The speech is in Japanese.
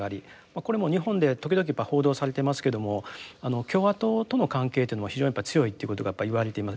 これも日本で時々報道されていますけども共和党との関係というのは非常に強いってことが言われています。